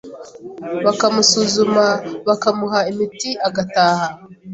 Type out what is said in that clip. bakamusuzuma bakamuha imiti agataha